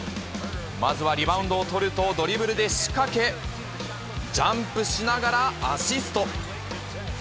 まずはリバウンドを取ると、ドリブルで仕掛け、ジャンプしながらアシスト。